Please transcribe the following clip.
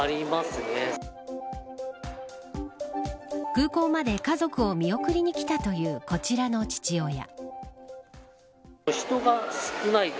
空港まで家族を見送りに来たというこちらの父親。